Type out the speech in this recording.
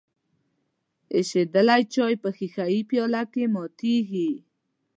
ایشیدلی چای په ښیښه یي پیاله کې ماتیږي.